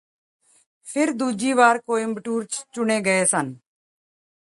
ਫਿਰ ਦੂਜੀ ਵਾਰ ਕੋਇੰਬਟੂਰ ਚ ਚੁਣੇ ਗਏ ਸਨ